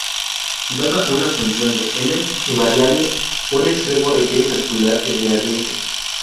Dada una función de "n" variables, un extremo requiere calcular el gradiente.